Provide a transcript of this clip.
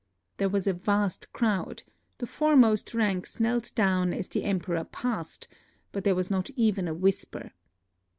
There was a vast crowd ; the foremost ranks knelt down as the Emperor passed ; but there was not even a whisper.